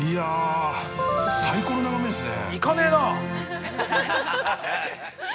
最高の眺めですね。